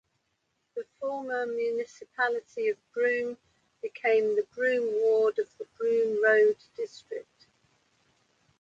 The former Municipality of Broome became the Broome ward of the Broome Road District.